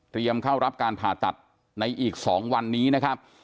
เตรียมเข้ารับการผ่าตัดในอีกสองวันนี้นะครับ